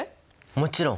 もちろん！